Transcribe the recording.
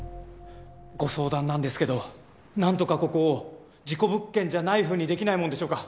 ご相談なんですけど何とかここを事故物件じゃないふうにできないもんでしょうか。